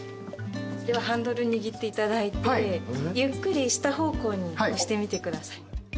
ではハンドル握っていただいてゆっくり下方向に押してみてください。